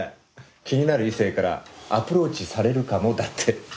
気になる異性からアプローチされるかもだって。